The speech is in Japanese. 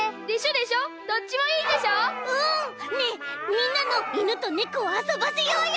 ねえみんなのいぬとねこをあそばせようよ。